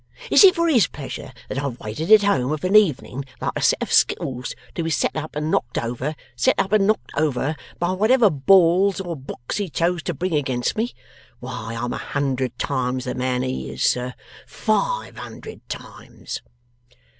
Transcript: Is it for his pleasure that I've waited at home of an evening, like a set of skittles, to be set up and knocked over, set up and knocked over, by whatever balls or books he chose to bring against me? Why, I'm a hundred times the man he is, sir; five hundred times!